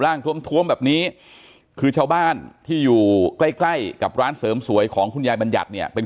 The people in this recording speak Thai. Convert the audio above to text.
ทวมแบบนี้คือชาวบ้านที่อยู่ใกล้ใกล้กับร้านเสริมสวยของคุณยายบัญญัติเนี่ยเป็น